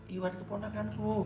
iwan keponakan ku